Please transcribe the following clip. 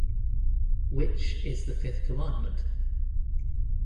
Which is the fifth commandment?